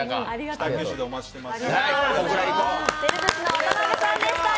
北九州でお待ちしています。